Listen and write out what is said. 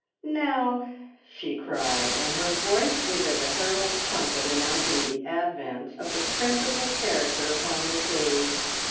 "Now!" she cried, and her voice was as a herald's trumpet announcing the advent of the principal character upon the stage.